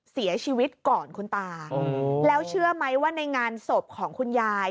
เสียชีวิตก่อนคุณตาแล้วเชื่อไหมว่าในงานศพของคุณยาย